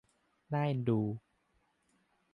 น่าเอ็นดู